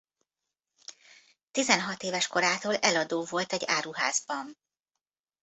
Tizenhat éves korától eladó volt egy áruházban.